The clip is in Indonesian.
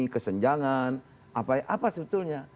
kesenjangan apa sebetulnya